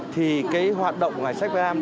thì hoạt động ngày sách việt nam